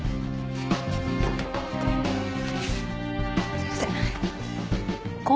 すいません。